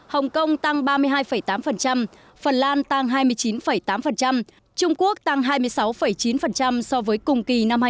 hồng kông tăng ba mươi hai tám phần lan tăng hai mươi chín tám trung quốc tăng hai mươi sáu chín so với cùng kỳ năm hai nghìn một mươi tám